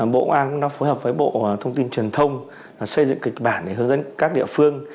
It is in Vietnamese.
bộ công an cũng đã phối hợp với bộ thông tin truyền thông xây dựng kịch bản để hướng dẫn các địa phương